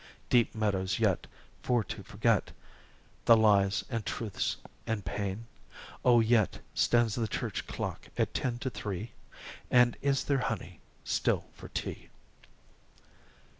Deep meadows yet, for to forget The lies, and truths, and pain? oh, yet Stands the Church clock at ten to three? And is there honey still for tea?'"